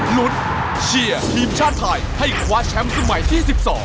ลุ้นเชียร์ทีมชาติไทยให้คว้าแชมป์สมัยที่๑๒